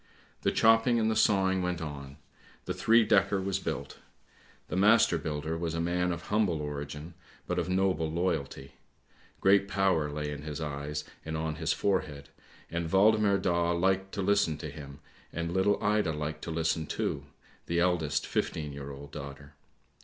;' The chopping and the sawing went on — the three decker was built. The master builder was a man of humble origin, but of noble loyalty; great power lay in his eyes and on his forehead, and Waldemar Daa liked to listen to him, and little Ida liked to listen too, the eldest fifteen year old daughter.